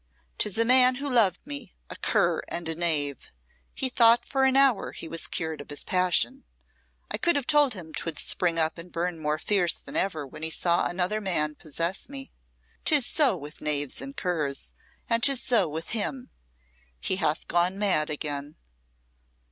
"'Tis a man who loved me, a cur and a knave. He thought for an hour he was cured of his passion. I could have told him 'twould spring up and burn more fierce than ever when he saw another man possess me. 'Tis so with knaves and curs; and 'tis so with him. He hath gone mad again."